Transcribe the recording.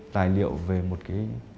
tài liệu về một cái